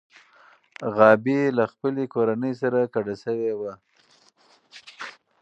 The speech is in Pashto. غابي له خپلې کورنۍ سره کډه شوې وه.